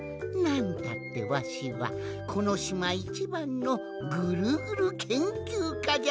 なんたってわしはこのしまいちばんの「ぐるぐるけんきゅうか」じゃからのう。